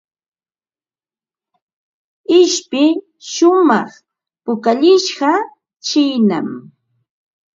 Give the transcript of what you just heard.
Ishpi shumaq pukallishqa chiinam.